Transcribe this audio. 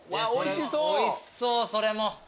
おいしそうそれも。